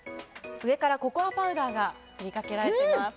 上からココアパウダーが振りかけられています。